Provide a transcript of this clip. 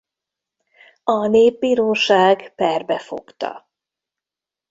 A népbíróság perbe fogta.